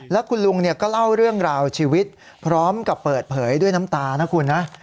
แล้วคุณลุงเนี่ยก็เล่าเรื่องราวชีวิตพร้อมกับเปิดเผยด้วยน้ำตานะคุณนะ